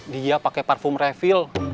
dia pakai parfum refill